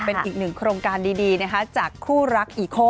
เป็นอีกหนึ่งโครงการดีจากคู่รักอีโค